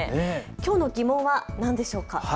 きょうの疑問は何でしょうか。